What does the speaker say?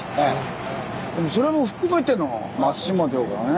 それも含めての松島というかね。